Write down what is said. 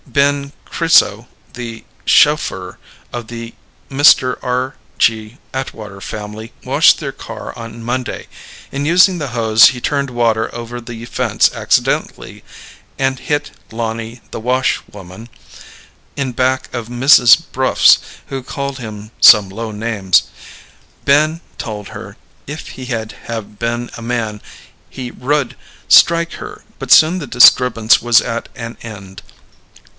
Been Kriso the cHauffeur of the Mr. R. G. Atwater family washes their car on Monday. In using the hose he turned water over the fence accidently and hit Lonnie the washWOman in back of MRS. Bruffs who called him some low names. Ben told her if he had have been a man he wrould strike her but soon the distrubance was at an end.